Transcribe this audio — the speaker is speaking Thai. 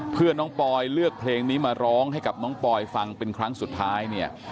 เพื่อน้องปอยเลือกเพลงนี้มาร้องให้กับน้องปอยฟังเป็นครั้งสุดท้ายเนี่ย